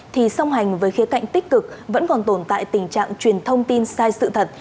thì song hành với khía cạnh tích cực vẫn còn tồn tại tình trạng truyền thông tin sai sự thật